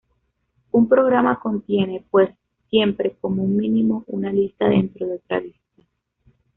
Un programa contiene, pues, siempre como mínimo una lista dentro de otra lista.